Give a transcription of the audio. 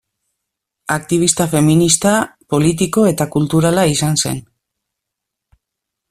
Aktibista feminista, politiko eta kulturala izan zen.